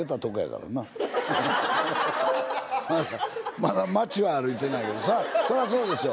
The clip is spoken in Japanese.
まだ街は歩いてないそりゃそうでしょ！